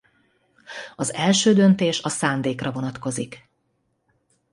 Az első döntés a szándékra vonatkozik.